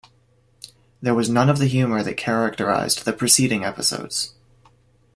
There was none of the humour that characterised the preceding episodes.